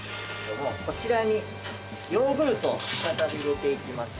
こちらにヨーグルトを再び入れていきます。